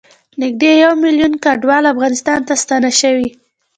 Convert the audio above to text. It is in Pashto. نږدې یوه میلیون کډوال افغانستان ته ستانه شوي